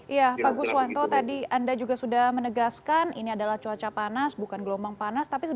iya pak guswanto tadi anda juga sudah menegaskan ini adalah cuaca panas bukan gelombang panas